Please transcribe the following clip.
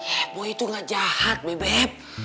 eh boy itu gak jahat bebep